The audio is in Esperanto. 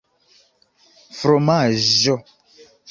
fromaĵo